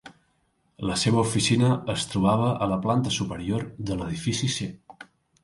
La seva oficina es trobava a la planta superior de l'edifici C.